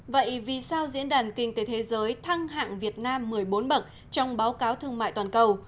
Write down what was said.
vậy vì sao diễn đàn kinh tế thế giới thăng hạng việt nam một mươi bốn bậc trong báo cáo thương mại toàn cầu